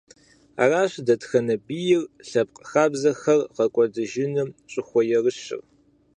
Аращ дэтхэнэ бийри лъэпкъ хабзэхэр гъэкӀуэдыжыным щӀыхуэерыщыр.